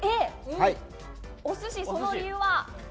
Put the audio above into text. お寿司、その理由は？